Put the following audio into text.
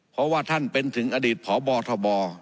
เพราะว่าท่านเป็นถึงอดีตพบทบ